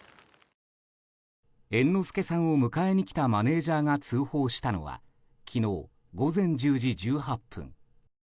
猿之助さんを迎えに来たマネジャーが通報したのは昨日午前１０時１８分。